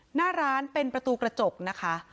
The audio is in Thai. หน้าร้านเป็นประตูกระจกนะคะ